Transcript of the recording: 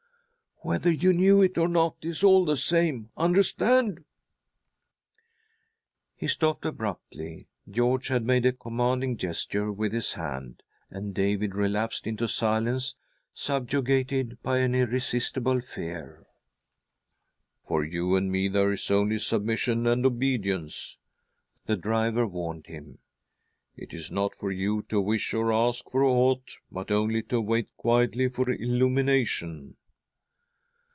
" Whether you knew it or not, it is all the same — understand " He stopped abruptly. George had made a com manding gesture with his hand, and David relapsed into silence, subjugated by an irresistible fear. '' For you and me there is only submission and obedience," the driver warned him. " It is not for you to wish or ask for aught, but only to await quietly for illumination."